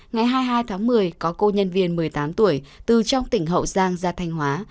ngày hai mươi hai tháng một mươi có cô nhân viên một mươi tám tuổi từ trong tỉnh hậu giang ra thanh hóa